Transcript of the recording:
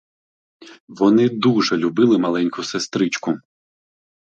Вони дуже любили маленьку сестричку.